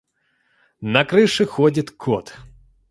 На крыше ходит кот.